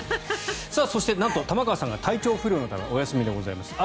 そして、なんと玉川さんが体調不良のためお休みでございます。